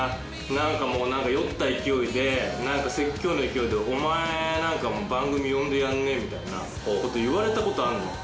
なんかもう酔った勢いでなんか説教の勢いで「お前なんか番組呼んでやんねえ」みたいな事言われた事あるのよ。